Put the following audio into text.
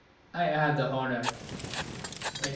I have the honour, etc.